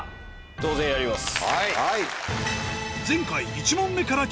当然やります。